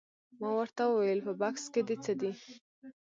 ما ورته وویل په بکس کې دې څه دي؟